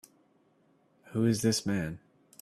Who is this man?